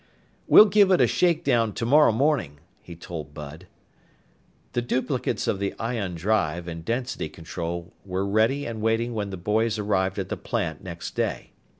"We'll give it a shakedown tomorrow morning," he told Bud. The duplicates of the ion drive and density control were ready and waiting when the boys arrived at the plant next day.